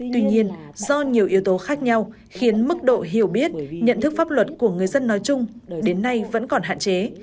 tuy nhiên do nhiều yếu tố khác nhau khiến mức độ hiểu biết nhận thức pháp luật của người dân nói chung đến nay vẫn còn hạn chế